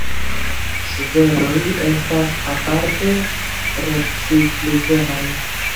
Svedoj estas aparte recikligemaj.